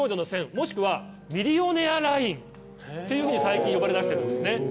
もしくはミリオネアラインっていうふうに最近呼ばれだしてるんですね。